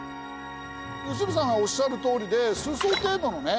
良純さんがおっしゃるとおりで数艘程度のね